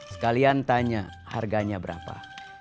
sekalian tanya harganya berapa